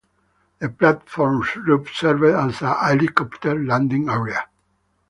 The platform roof served as a helicopter landing area.